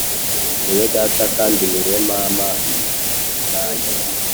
Ni we Data kandi ni we Mana yanjye